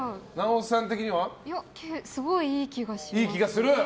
すごい、いい気がします。